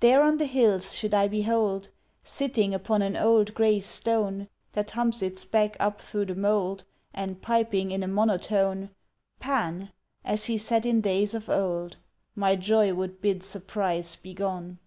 There on the hills should I behold, Sitting upon an old gray stone That humps its back up through the mold, And piping in a monotone, Pan, as he sat in days of old, My joy would bid surprise begone!